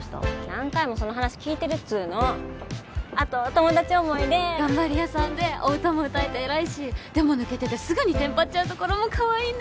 何回もその話聞いてるっつうのあと友達思いで頑張り屋さんでお歌も歌えて偉いしでも抜けててすぐにテンパっちゃうところもかわいいんですよね